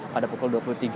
pada pukul dua puluh tiga